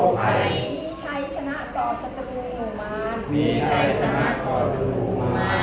มีชัยชนะต่อสัตวุหม่อมาน